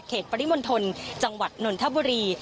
เขตปริมณฑลจังหวัดนต์ธับบรี